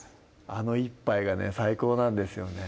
あの一杯がね最高なんですよね